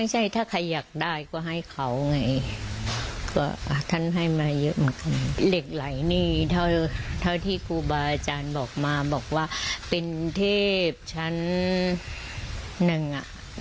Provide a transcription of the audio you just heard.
เหล็กไหลนี่เท่าที่ครูบาอาจารย์บอกมาบอกว่าเป็นเทพชั้นนึงอ่ะ